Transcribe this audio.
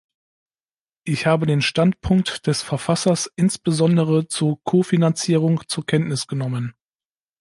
Ich habe den Standpunkt des Verfassers insbesondere zur Kofinanzierung zur Kenntnis genommen.